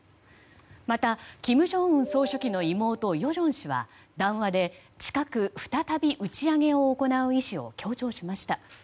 また、金正恩総書記の妹与正氏は談話で、近く再び打ち上げを行う意思を強調しました。